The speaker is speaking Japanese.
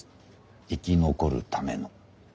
生き残るための。